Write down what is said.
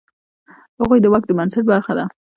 هغوی د واک د بنسټ برخه وه.